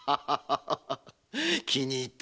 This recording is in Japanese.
気に入った。